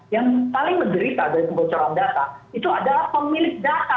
yang paling menderita dari kebocoran data itu adalah pemilik data